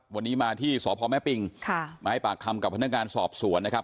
วันนี้มาที่สพแม่ปิงค่ะมาให้ปากคำกับพนักงานสอบสวนนะครับ